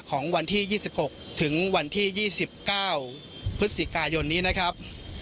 ของวันที่ยี่สิบหกถึงวันที่ยี่สิบเก้าพฤษศิกายนนี้นะครับ